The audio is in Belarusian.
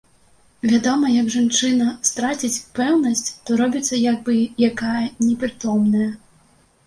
Вядома, як жанчына страціць пэўнасць, то робіцца як бы якая непрытомная.